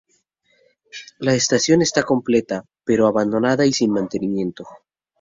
La estación está completa, pero abandonada y sin mantenimiento.